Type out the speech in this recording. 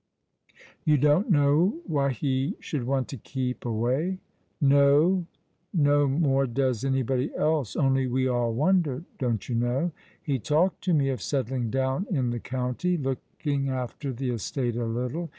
" You don't know why he should want to keep away ? No, no more does anybody else. Only we all wonder, don't you know. He talked to me of settling down in the county — looking after the estate a little.